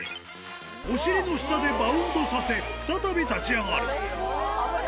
お尻の下でバウンドさせ、再び立ち上がる。